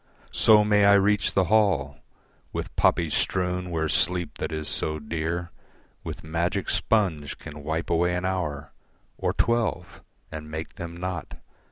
So may I reach the hall With poppies strewn where sleep that is so dear With magic sponge can wipe away an hour Or twelve and make them naught.